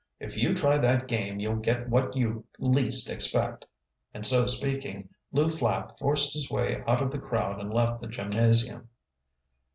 If you try that game, you'll get what you least expect," and so speaking Lew Flapp forced his way out of the crowd and left the gymnasium.